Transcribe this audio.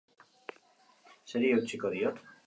Zeri eutsiko diot?